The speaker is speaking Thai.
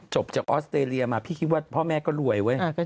จากออสเตรเลียมาพี่คิดว่าพ่อแม่ก็รวยเว้ย